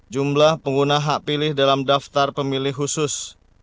jumlah pengguna hak pilih dalam daftar pemilih khusus